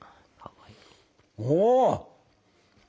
お！